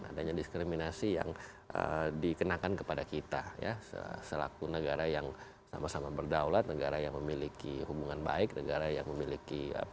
adanya diskriminasi yang dikenakan kepada kita ya selaku negara yang sama sama berdaulat negara yang memiliki hubungan baik negara yang memiliki